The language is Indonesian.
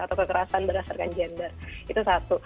atau kekerasan berdasarkan gender itu satu